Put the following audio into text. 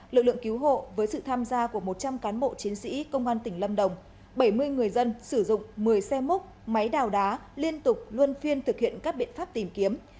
lực lượng cứu hộ với sự tham gia của một trăm linh cán bộ chiến sĩ công an tỉnh lâm đồng bảy mươi người dân sử dụng một mươi xe múc máy đào đá liên tục luôn phiên thực hiện các biện pháp tìm kiếm